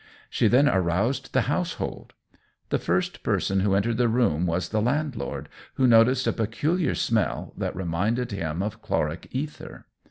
She then aroused the household. The first person who entered the room was the landlord, who noticed a peculiar smell that reminded him of chloric ether.